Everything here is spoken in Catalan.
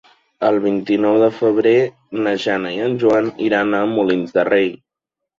El vint-i-nou de febrer na Jana i en Joan iran a Molins de Rei.